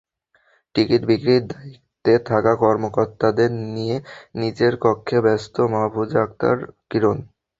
Ticket বিক্রির দায়িত্বে থাকা কর্মকর্তাদের নিয়ে নিজের কক্ষে ব্যস্ত মাহফুজা আক্তার কিরণ।